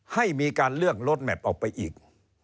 ให้มีการเลือกลดแมพออกไปอีก